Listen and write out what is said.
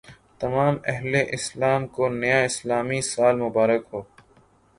تمام اہل اسلام کو نیا اسلامی سال مبارک ہو